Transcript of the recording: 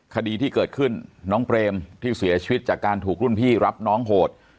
คดีที่เกิดขึ้นน้องเปรมที่เสียชีวิตจากการถูกรุ่นพี่รับน้องโหด